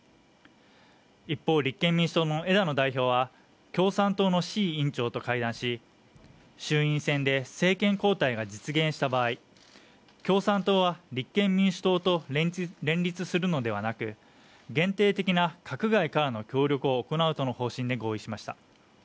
一方、立憲民主党の枝野代表は、共産党の志位委員長と会談し衆院選で政権交代が実現した場合、共産党は立憲民主党と連立するのではなく、限定的な閣外からの協力を行うとの方針で合意しました。